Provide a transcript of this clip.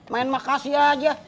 main makasih aja